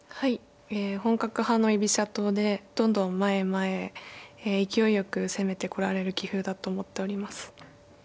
本格派の居飛車党でどんどん前へ前へ勢いよく攻めてこられる棋風だと思っております。